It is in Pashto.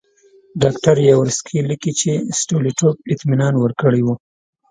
ډاکټر یاورسکي لیکي چې ستولیټوف اطمینان ورکړی وو.